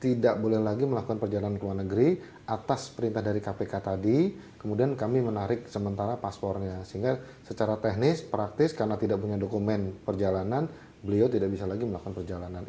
tidak boleh lagi melakukan perjalanan ke luar negeri atas perintah dari kpk tadi kemudian kami menarik sementara paspornya sehingga secara teknis praktis karena tidak punya dokumen perjalanan beliau tidak bisa lagi melakukan perjalanan